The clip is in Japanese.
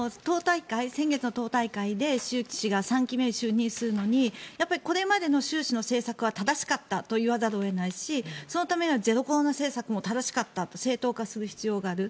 先月の党大会で習氏が３期目に就任するのにこれまでの習氏の政策は正しかったと言わざるを得ないしそのためにはゼロコロナ政策も正しかったと正当化する必要がある。